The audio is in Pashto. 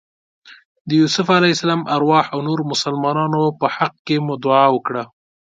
د یوسف علیه السلام ارواح او نورو مسلمانانو په حق کې مو دعا وکړه.